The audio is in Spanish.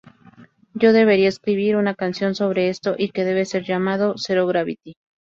Yo debería escribir una canción sobre esto y que debe ser llamado "Zero Gravity".